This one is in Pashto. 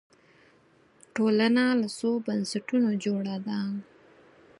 ټولنه له څو بنسټونو جوړه ده